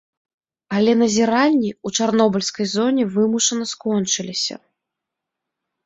Але назіранні ў чарнобыльскай зоне вымушана скончыліся.